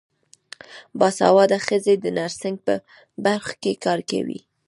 باسواده ښځې د نرسنګ په برخه کې کار کوي.